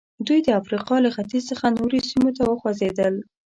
دوی د افریقا له ختیځ څخه نورو سیمو ته وخوځېدل.